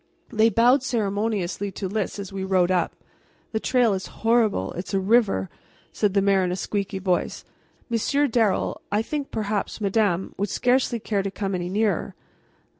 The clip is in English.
They bowed ceremoniously to Lys as we rode up. "The trail is horrible it is a river," said the mayor in his squeaky voice. "Monsieur Darrel, I think perhaps madame would scarcely care to come any nearer."